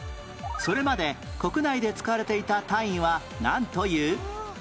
それまで国内で使われていた単位はなんという？